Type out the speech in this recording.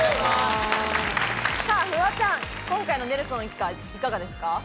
フワちゃん、今回のネルソン一家いかがですか？